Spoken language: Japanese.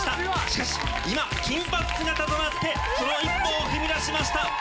しかし今金髪姿となってその一歩を踏み出しました。